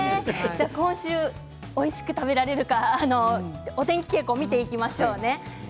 今週おいしく食べられるかお天気傾向を見ていきましょうね。